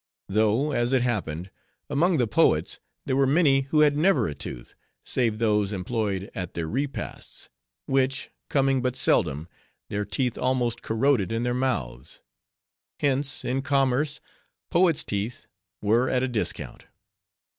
Though, as it happened, among the poets there were many who had never a tooth, save those employed at their repasts; which, coming but seldom, their teeth almost corroded in their mouths. Hence, in commerce, poets' teeth were at a discount.